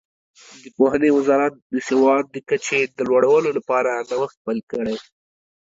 د پوهنې وزارت د سواد د کچې د لوړولو لپاره نوښت پیل کړ.